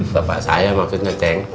bapak saya maksudnya ceng